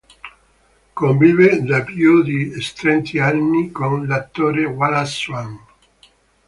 Convive da più di trent'anni con l'attore Wallace Shawn.